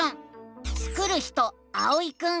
スクる人あおいくん。